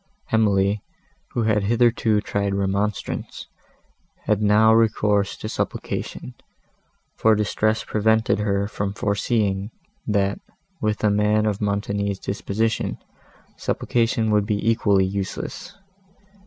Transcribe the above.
Emily, who had hitherto tried remonstrance, had now recourse to supplication, for distress prevented her from foreseeing, that, with a man of Montoni's disposition, supplication would be equally useless.